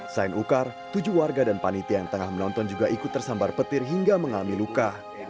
selain ukar tujuh warga dan panitia yang tengah menonton juga ikut tersambar petir hingga mengalami luka